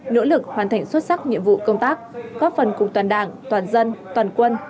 nỗ lực hoàn thành xuất sắc nhiệm vụ công tác góp phần cùng toàn đảng toàn dân toàn quân